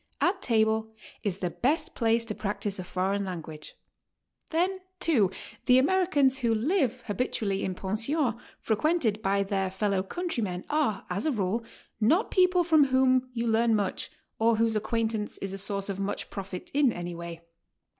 At table is the best place to practice a foreign language. Then, too, the Americans who live habitually in pensions fre quented by their fellow countrymen are, as a rule, noit people from whom you learn much or whose acquaintance is a source of much profit in any way.